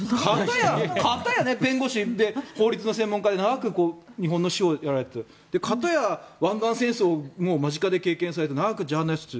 片や弁護士で法律の専門家で長く日本の司法をやられていて片や、湾岸戦争を間近で見て長くジャーナリストとして。